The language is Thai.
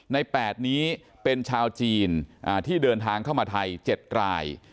ใน๘นี้เป็นชาวจีนที่เดินทางเข้ามาไทย๗ราย